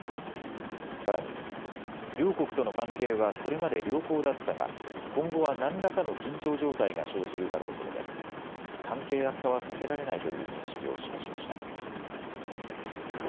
さらに、両国との関係はこれまで良好だったが今後は何らかの緊張状態が生じるだろうと述べ関係悪化は避けられないという認識を示しました。